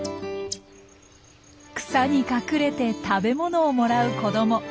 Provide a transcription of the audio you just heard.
草に隠れて食べ物をもらう子ども。